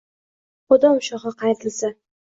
Bodom shoxi qayrilsa